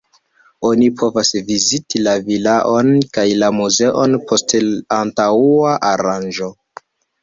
Oni povas viziti la vilaon kaj la muzeon post antaŭa aranĝo.